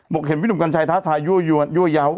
เห็นพี่หนุ่มกัญชัยท้าทายั่วเยาว์